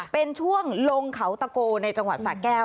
เป็นช่วงลงเขาตะโกในจังหวัดสะแก้ว